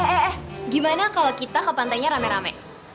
eh eh gimana kalau kita ke pantainya rame rame